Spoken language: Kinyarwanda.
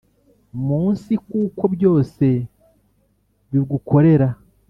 Munsi kuko byose bigukorera